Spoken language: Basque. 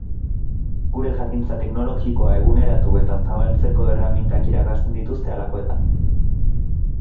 Gure jakintza teknologikoa eguneratu eta zabaltzeko erramintak irakasten dituzte halakoetan.